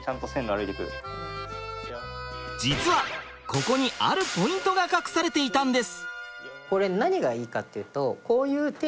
実はここにあるポイントが隠されていたんです。